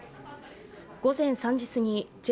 午前３時すぎ